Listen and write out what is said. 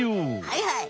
はいはい！